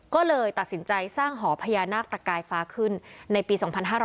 ก็เลยตัดสินใจสร้างหอพญานาคตะกายฟ้าขึ้นในปี๒๕๕๙